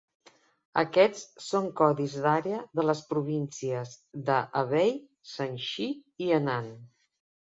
Aquests són codis d'àrea de les províncies de Hebei, Shanxi i Henan.